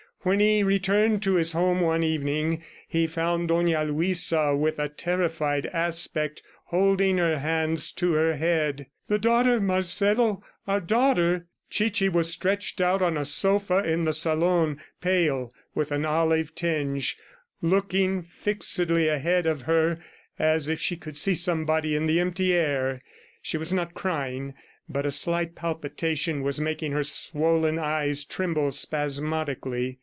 When he returned to his home one evening, he found Dona Luisa with a terrified aspect holding her hands to her head. "The daughter, Marcelo ... our daughter!" Chichi was stretched out on a sofa in the salon, pale, with an olive tinge, looking fixedly ahead of her as if she could see somebody in the empty air. She was not crying, but a slight palpitation was making her swollen eyes tremble spasmodically.